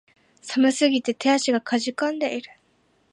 寒すぎて手足が悴んでいる